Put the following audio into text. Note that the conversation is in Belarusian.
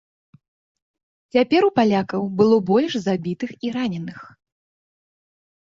Цяпер у палякаў было больш забітых і раненых.